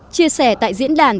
chia sẻ tại diễn đàn